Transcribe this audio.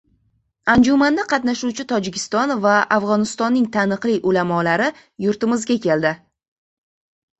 Anjumanda qatnashuvchi Tojikiston va Afg‘onistonning taniqli ulamolari yurtimizga keldi